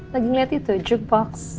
lagi ngeliat itu jukebox